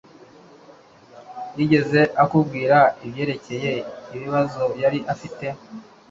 yigeze akubwira ibyerekeye ibibazo yari afite